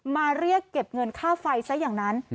มาเรียกเก็บเงินค่าไฟซะอย่างนั้น